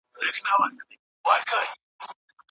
زور د ستمګر مو پر سینه وجود وېشلی دی